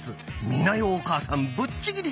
美奈代お母さんぶっちぎり！